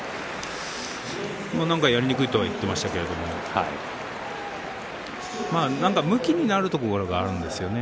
なんか、やりにくいとは言ってましたけどなんかむきになるところがあるんですよね。